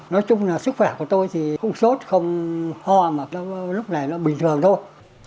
nói chung là sức khỏe của tôi thì không sốt không ho mà lúc này nó bình thường thôi